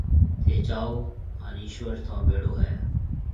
ٿَي جاو هانَ ايشوَر ٿُون ڀيڙو هيَ۔